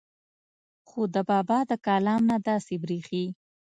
خو د بابا د کلام نه داسې بريښي